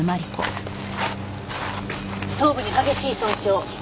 頭部に激しい損傷。